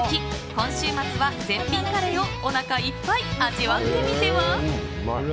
今週末は絶品カレーをおなかいっぱい味わってみては？